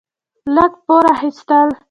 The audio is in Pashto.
لږ پور اخيستل: